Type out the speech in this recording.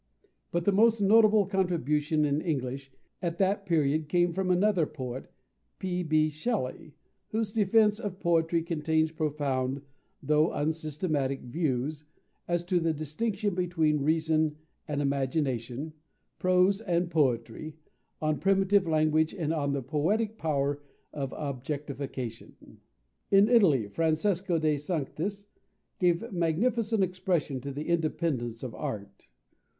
But the most notable contribution in English at that period came from another poet, P.B. Shelley, whose Defence of Poetry contains profound, though unsystematic views, as to the distinction between reason and imagination, prose and poetry, on primitive language, and on the poetic power of objectification. In Italy, Francesco de Sanctis gave magnificent expression to the independence of art.